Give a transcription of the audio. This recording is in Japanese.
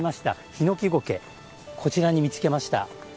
ヒノキゴケこちらに見つけました。